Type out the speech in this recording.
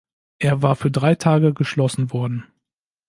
Er war für drei Tage geschlossen worden.